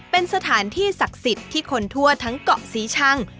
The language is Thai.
เป็นสถานที่ศักดิ์สิทธิ์ที่คนทั่วทั้งเกาะศรีชัง